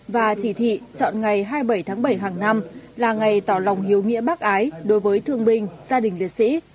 và chỉ thị chọn ngày hai mươi bảy tháng bảy hàng năm là ngày tỏ lòng hiếu nghĩa bác ái đối với thương binh gia đình liệt sĩ